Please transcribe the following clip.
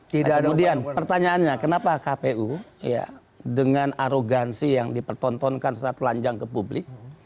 kemudian pertanyaannya kenapa kpu dengan arogansi yang dipertontonkan secara telanjang ke publik